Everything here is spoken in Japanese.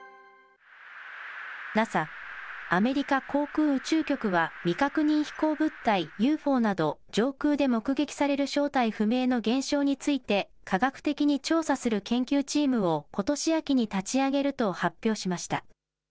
ＮＡＳＡ・アメリカ航空宇宙局は未確認飛行物体・ＵＦＯなど、上空で目撃される正体不明の現象について、科学的に調査する研究チームをことし秋に立ち上げると発表しました。